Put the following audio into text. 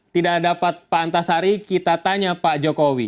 tidak dapat pak antasari kita tanya pak jokowi